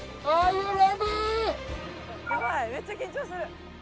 やばいめっちゃ緊張する。